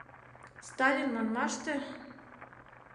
Сталин манмаште...